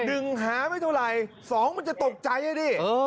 ดึงหาไม่เท่าไหร่สองมันจะตกใจอ่ะดิ